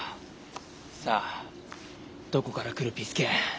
さあどこから来るピス健。